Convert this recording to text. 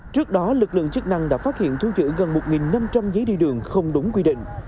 trước đó lực lượng chức năng đã phát hiện thu giữ gần một năm trăm linh giấy đi đường không đúng quy định